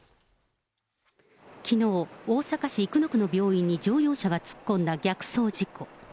きのう、大阪市生野区の病院に乗用車が突っ込んだ逆走事故。